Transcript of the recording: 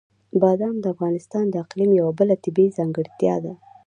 بادام د افغانستان د اقلیم یوه بله طبیعي ځانګړتیا ده.